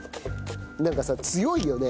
なんかさ強いよね。